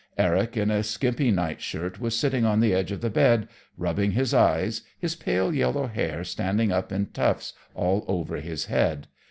Eric, in a skimpy night shirt, was sitting on the edge of the bed, rubbing his eyes, his pale yellow hair standing up in tufts all over his head.